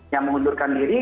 yang mengundurkan diri